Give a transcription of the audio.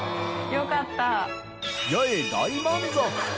よかった。